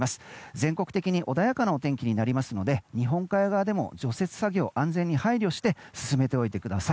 全国的に穏やかなお天気になりますので日本海側でも除雪作業安全に配慮して進めておいてください。